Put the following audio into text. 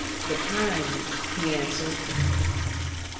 "The pines," he answered.